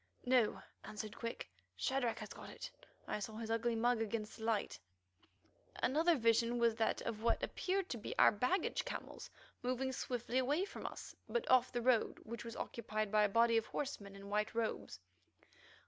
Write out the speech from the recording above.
"No," answered Quick; "Shadrach has got it. I saw his ugly mug against the light." Another vision was that of what appeared to be our baggage camels moving swiftly away from us, but off the road which was occupied by a body of horsemen in white robes.